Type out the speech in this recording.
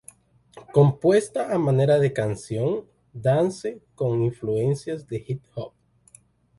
Compuesta a manera de canción "dance" con influencias de "hip hop".